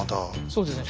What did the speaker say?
そうですね。